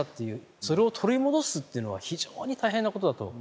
それを取り戻すっていうのは非常に大変なことだと。